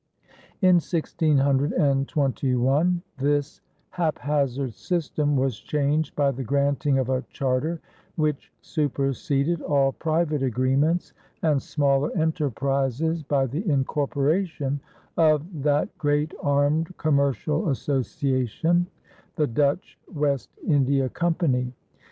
In 1621 this haphazard system was changed by the granting of a charter which superseded all private agreements and smaller enterprises by the incorporation of "that great armed commercial association," the Dutch West India Company.